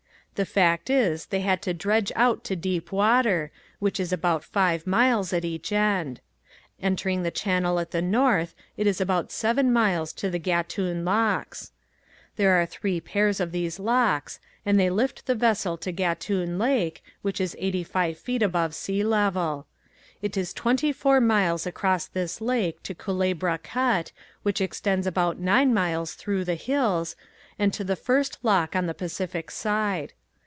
The fact is they had to dredge out to deep water which is about five miles at each end. Entering the channel at the north it is about seven miles to the Gatun locks. There are three pairs of these locks and they lift the vessel to Gatun Lake, which is eighty five feet above sea level. It is twenty four miles across this lake to Culebra Cut, which extends about nine miles through the hills, and to the first lock on the Pacific side.